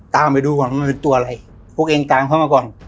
ตามไปดูก่อนว่ามันเป็นตัวอะไรพวกเองตามเขามาก่อน